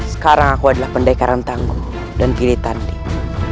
sekarang aku adalah pendekaran tangguh dan giri tanding